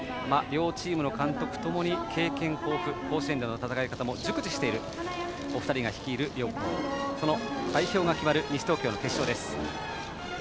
両チームの監督ともに経験豊富甲子園の戦い方も熟知しているお二人が率いる両校その代表が決まる西東京の決勝です。